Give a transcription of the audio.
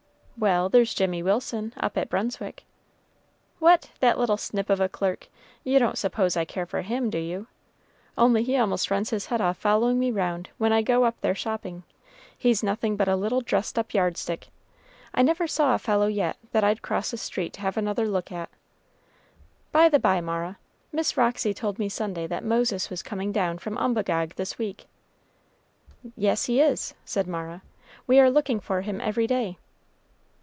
"Well, there's Jimmy Wilson, up at Brunswick." "What! that little snip of a clerk! You don't suppose I care for him, do you? only he almost runs his head off following me round when I go up there shopping; he's nothing but a little dressed up yard stick! I never saw a fellow yet that I'd cross the street to have another look at. By the by, Mara, Miss Roxy told me Sunday that Moses was coming down from Umbagog this week." "Yes, he is," said Mara; "we are looking for him every day."